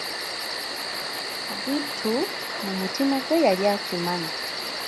Bittu mu mutima gwe yali akimanyi.